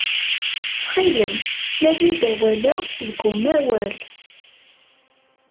Ttxil-m, nadi-d awal-a deg umawal.